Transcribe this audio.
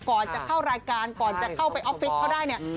ก่อนจะเข้ารายการก่อนจะเข้าไปออฟฟิศเขาได้เนี่ย